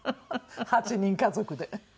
８人家族で。